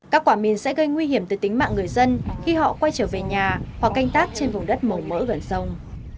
các quả mìn sẽ gây nguy hiểm từ tính mạng người dân khi họ quay trở về nhà hoặc canh tác trên vùng đất màu mỡ gần sông